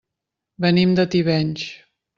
Venim de Tivenys.